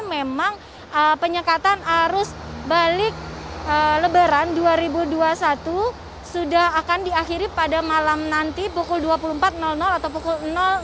memang penyekatan arus balik lebaran dua ribu dua puluh satu sudah akan diakhiri pada malam nanti pukul dua puluh empat atau pukul